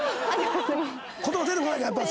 言葉出てこないんだやっぱ。